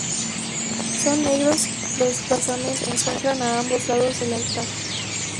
Son negros los basamentos que se encuentran a ambos lados del altar.